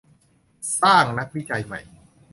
สร้างนักวิจัยใหม่